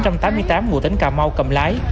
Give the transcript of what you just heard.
ngụ tỉnh cà mau cầm lái